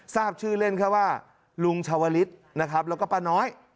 ทราบชื่อเล่นแค่ว่าลุงชาวลิศนะครับแล้วก็ป้าน้อย